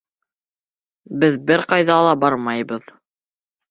Беҙ бер ҡайҙа ла бармайбыҙ.